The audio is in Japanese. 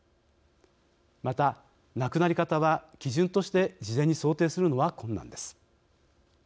また、亡くなり方は基準として事前に想定するのは困難です。